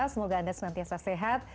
semoga anda senantiasa sehat